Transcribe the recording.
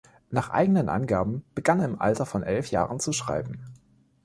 Nach eigenen Angaben begann er im Alter von elf Jahren zu schreiben.